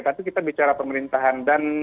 tapi kita bicara pemerintahan